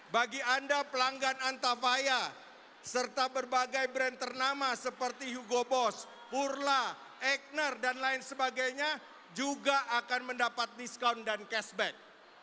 bagi anda pelanggan antafaya serta berbagai brand ternama seperti hugo bos purla egner dan lain sebagainya juga akan mendapat diskon dan cashback